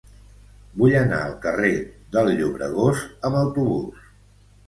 Vull anar al carrer del Llobregós amb autobús.